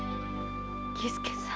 儀助さん。